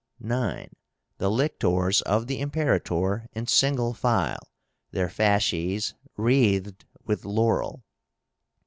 9. The lictors of the Imperator in single file, their fasces wreathed with laurel.